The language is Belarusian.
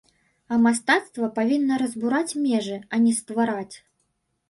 А мастацтва павінна разбураць межы, а не ствараць.